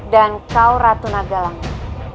dan kau ratu nagalangga